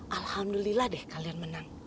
alhamdulillah deh kalian menang